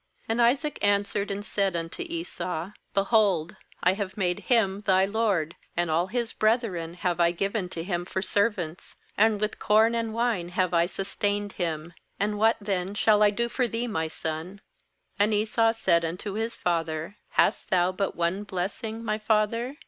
37And Isaac answered and said unto Esau: 'Behold, I have made him thy lord, and all his brethren have I given to him for servants; and with corn and wine have I sustained him; and what then shall I do for thee, my son?' 88And Esau said unto his father: 'Hast thou but one bless ing, my' father?